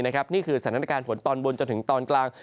นี่คือสถานการณ์ฝนตอนบนจนถึงตอนกลาง